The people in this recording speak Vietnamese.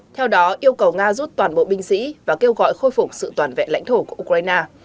theo đó yêu cầu nga rút toàn bộ binh sĩ và kêu gọi khôi phục sự toàn vẹn lãnh thổ của ukraine